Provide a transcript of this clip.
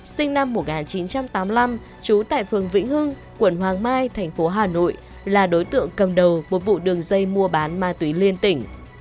sinh năm một nghìn chín trăm tám mươi năm trú tại phường vĩnh hưng quận hoàng mai thành phố hà nội là đối tượng cầm đầu một vụ đường dây mua bán ma túy liên tỉnh